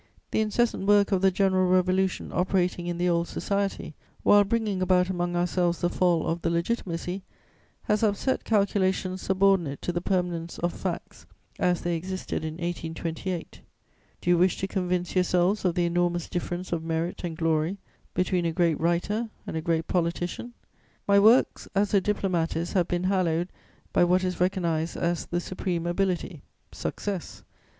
The incessant work of the general revolution operating in the old society, while bringing about among ourselves the fall of the Legitimacy, has upset calculations subordinate to the permanence of facts as they existed in 1828. Do you wish to convince yourselves of the enormous difference of merit and glory between a great writer and a great politician? My works as a diplomatist have been hallowed by what is recognised as the supreme ability, _success.